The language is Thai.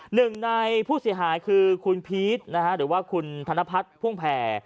หนึ่งในผู้เสียหายคือคุณพีชนะฮะหรือว่าคุณธนพัฒน์พ่วงแผ่